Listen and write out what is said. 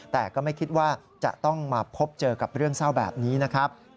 แต่ก็ไม่คิดว่าจะต้องมาพบเจอกับเรื่องเศร้าแบบนี้นะครับ